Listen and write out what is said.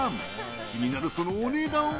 気になるそのお値段は？